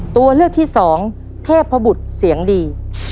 ตัวเลือกที่สองเทพบุตรเสียงดี